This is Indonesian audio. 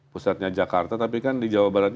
pusatnya jakarta tapi kan di jawa barat